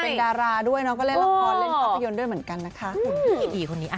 เป็นดาราด้วยเนาะก็เล่นละครเล่นภาพยนตร์ด้วยเหมือนกันนะคะหุ่นพีพีคนนี้